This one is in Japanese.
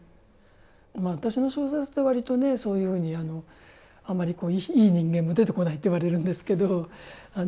まあ、私の小説って、割とねそういうふうに、あんまりいい人間も出てこないって言われるんですけど。